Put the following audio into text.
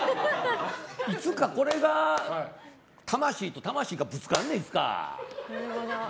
いつかこれが魂と魂がぶつかんねん、いつか！